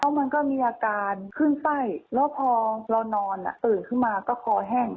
มันก็มีอาการขึ้นไส้แล้วพอเรานอนตื่นขึ้นมาก็คอแห้ง